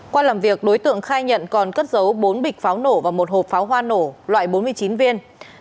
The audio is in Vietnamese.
qua làm việc đối tượng khai nhận còn cất giấu bốn bịch pháo nổ và một hộp pháo hoa nổ loại bốn mươi chín viên